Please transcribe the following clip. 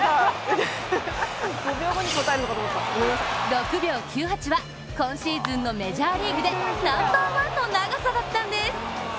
６秒９８は今シーズンのメジャーリーグでナンバーワンの長さだったんです。